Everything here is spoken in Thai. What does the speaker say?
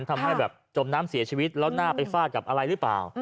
ทำให้แบบจมน้ำเสียชีวิตแล้วหน้าไปฟาดกับอะไรหรือเปล่า